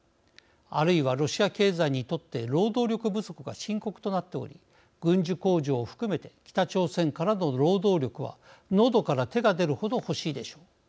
あるいはロシア経済にとって労働力不足が深刻となっており軍需工場を含めて北朝鮮からの労働力はのどから手が出るほど欲しいでしょう。